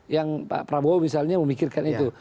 yang pak prabowo misalnya memikirkan itu